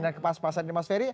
dan kepas pasan ini mas ferry